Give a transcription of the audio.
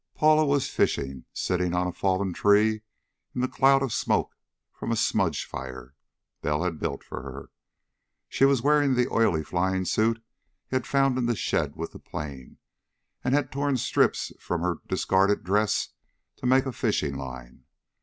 Paula was fishing, sitting on a fallen tree in the cloud of smoke from a smudge fire Bell had built for her. She was wearing the oily flying suit he had found in the shed with the plane, and had torn strips from her discarded dress to make a fishing line.